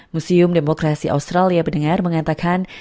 museum demokrasi australia pendengar mengatakan